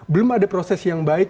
belum ada proses yang baik